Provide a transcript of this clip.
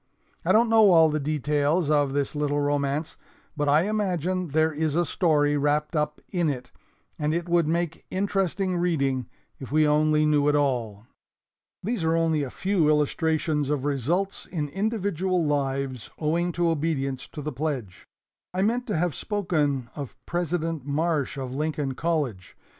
I don't know all the details of this little romance, but I imagine there is a story wrapped up in it, and it would make interesting reading if we only knew it all. "These are only a few illustrations of results in individual lives owing to obedience to the pledge. I meant to have spoken of President Marsh of Lincoln College.